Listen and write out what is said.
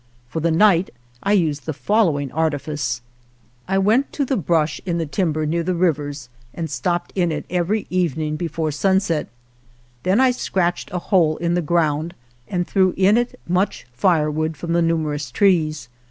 For the night I used the following artifice : I went to the brush in the timber near the rivers and stopped in it every evening be 102 ALVAR NUNEZ CABEZA DE VACA fore sunset. Then I scratched a hole in the ground and threw in it much firewood from the numerous trees.